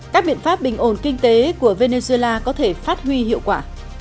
các biện pháp bình ổn kinh tế của venezuela có thể phát huy hiệu quả